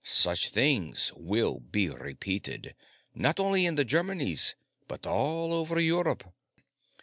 Such things will be repeated, not only in the Germanies, but all over Europe.